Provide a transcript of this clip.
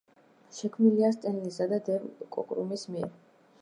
შექმნილია სტენ ლისა და დეივ კოკრუმის მიერ.